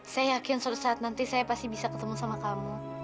saya yakin suatu saat nanti saya pasti bisa ketemu sama kamu